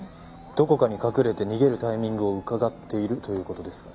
どこかに隠れて逃げるタイミングをうかがっているという事ですか。